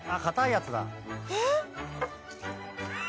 えっ？